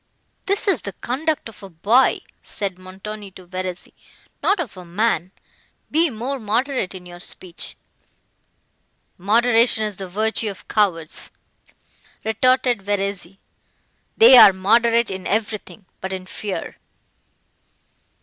"This is the conduct of a boy," said Montoni to Verezzi, "not of a man: be more moderate in your speech." "Moderation is the virtue of cowards," retorted Verezzi; "they are moderate in everything—but in fear."